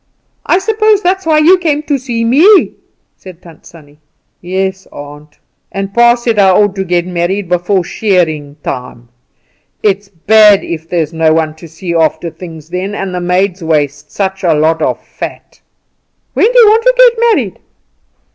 "I suppose that's why you came to me," said Tant Sannie. "Yes, aunt. And pa said I ought to get married before shearing time. It is bad if there's no one to see after things then; and the maids waste such a lot of fat." "When do you want to get married?"